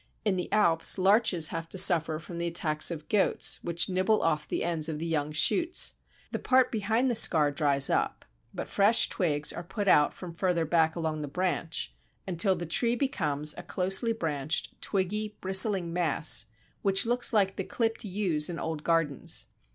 In the Alps, larches have to suffer from the attacks of goats which nibble off the ends of the young shoots. The part behind the scar dries up, but fresh twigs are put out from further back along the branch, until the tree becomes a closely branched, twiggy, bristling mass which looks like the clipped yews in old gardens.